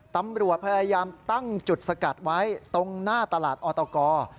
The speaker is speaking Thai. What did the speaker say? ตำรวจพยายามตั้งจุดสกัดไว้ตรงหน้าตลาดออตก